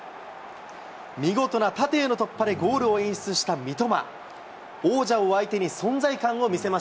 見事な縦への突破でゴールを演出した三笘。